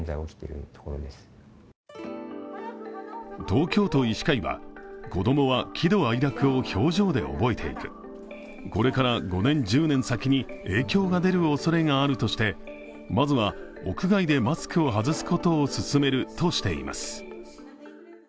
東京都医師会は、子供は喜怒哀楽を表情で覚えていく、これから５年、１０年先に影響が出るおそれがあるとしてまずは屋外でマスクを外すことを勧めるとしています。